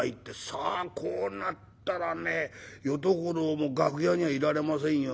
さあこうなったらね淀五郎も楽屋にはいられませんよ。